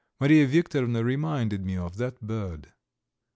Mariya Viktorovna reminded me of that bird.